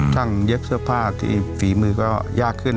เย็บเสื้อผ้าที่ฝีมือก็ยากขึ้น